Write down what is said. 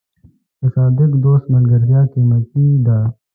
د صادق دوست ملګرتیا قیمتي ده.